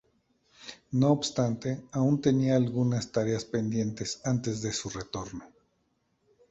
No obstante, aún tenía algunas tareas pendientes antes de su retorno.